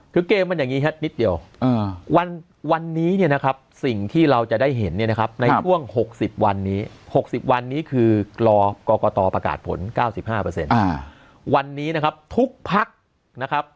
คือเกมมันอย่างงี้แค่นิดเดียว